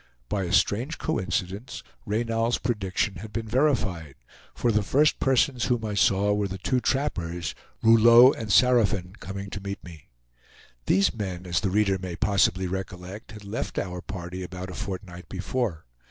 By a strange coincidence, Reynal's prediction had been verified; for the first persons whom I saw were the two trappers, Rouleau and Saraphin, coming to meet me. These men, as the reader may possibly recollect, had left our party about a fortnight before.